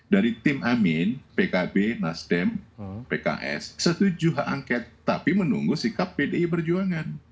dari tim amin pkb nasdem pks setuju hak angket tapi menunggu sikap pdi berjuangan